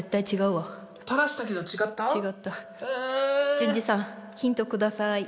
淳二さんヒント下さい。